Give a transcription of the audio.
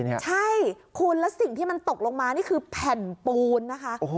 ใช่คุณแล้วสิ่งที่มันตกลงมานี่คือแผ่นปูนนะคะ